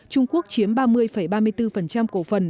trung quốc chiếm ba mươi ba mươi bốn cổ phần